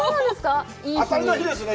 当たりの日ですね。